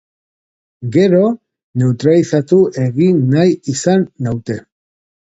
Gero neutralizatu egin nahi izan naute.